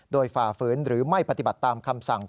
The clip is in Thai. โดยฝ่าฝืนหรือไม่ปฏิบัติตามคำสั่ง